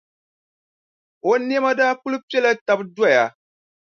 O nɛma daa kuli pela taba doya.